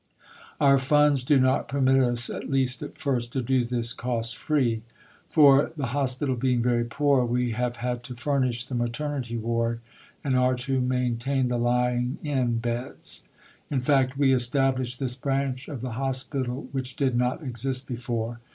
Our funds do not permit us, at least at first, to do this cost free. For (the Hospital being very poor) we have had to furnish the Maternity Ward and are to maintain the Lying in beds. In fact, we establish this branch of the Hospital which did not exist before.